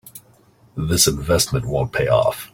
This investment won't pay off.